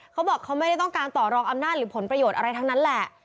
เขาบอกเขาไม่ได้ต้องการต่อรองอำนาจหรือผลประโยชน์อะไรทั้งนั้นแหละ